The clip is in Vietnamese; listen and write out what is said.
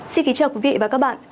xin kính chào quý vị và các bạn